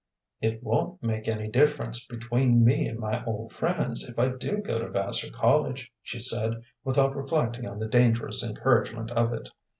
"It won't make any difference between me and my old friends if I do go to Vassar College," she said, without reflecting on the dangerous encouragement of it.